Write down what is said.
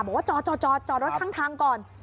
บอกว่าจอดรถข้างทางก่อน